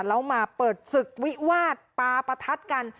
แล้วมาเปิดศึกวิวาสปาประทัดกัน